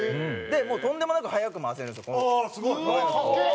もうとんでもなく速く回せるんですよ。かっけえ！